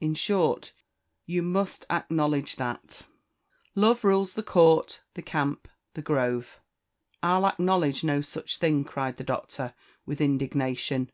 In short, you must acknowledge that "Love rules the court, the camp, the grove." "I'll acknowledge no such thing," cried the Doctor, with indignation.